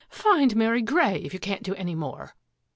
Find Mary Grey, if you can't do any more."